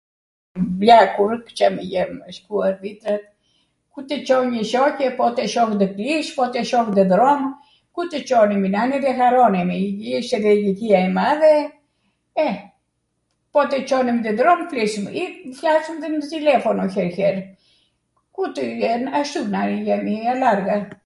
Mbljakur, Cam jem shkuar vitra, ku tw Conj njw shoqe po t'e shoh nw kish, po t'e shoh nw dhrom, ku tw Conemi, nani dhe haronemi, ish edhe iliqia e madhe, e, po tw Conemi nw dhrom flisnim, i fljaswm edhe nw tilefono her her, ku tw jenw, ashtuna... jemi alargha.